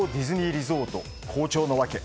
リゾート好調な訳。